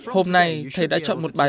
hôm nay thầy đã chọn một nền giáo dục